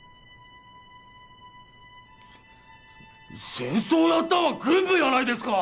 戦争をやったんは軍部やないですか！